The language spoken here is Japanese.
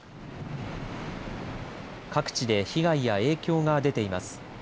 各地で被害や影響が出ています。